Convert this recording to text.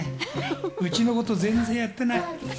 うちのこと全然やってない。